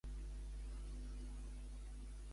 Quina peripècia s'explica, relacionada amb Hèracles?